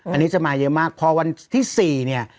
อันนี้จะมาเยอะมากพอวันที่๔เนี่ย